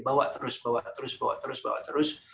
bawa terus bawa terus bawa terus bawa terus